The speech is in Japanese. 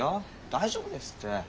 大丈夫ですって。